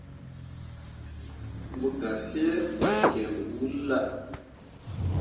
Mo gah fie fakyẽmme wullah.